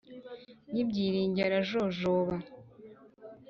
Nyibyiringiye arajojoba